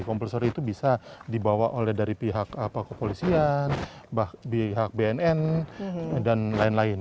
komplaor itu bisa dibawa oleh dari pihak kepolisian pihak bnn dan lain lain